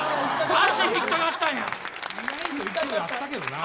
足が引っかかったんや。